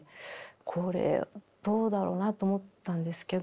これどうだろうなと思ったんですけど。